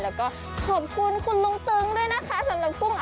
แล้วก็ขอบคุณคุณลุงตึงด้วยนะคะสำหรับกุ้ง